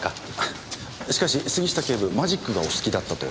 しかし杉下警部マジックがお好きだったとは。